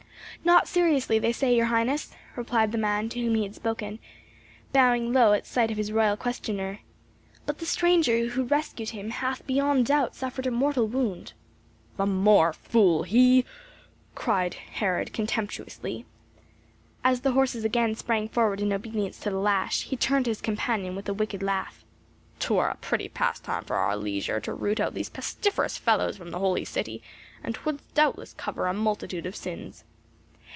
"Not seriously, they say, your Highness," replied the man to whom he had spoken, bowing low at sight of his royal questioner; "but the stranger who rescued him hath beyond doubt suffered a mortal wound." "The more fool he!" cried Herod contemptuously. As the horses again sprang forward in obedience to the lash, he turned to his companion with a wicked laugh. "'Twere a pretty pastime for our leisure to root out these pestiferous fellows from the Holy City, and 'twould doubtless cover a multitude of sins."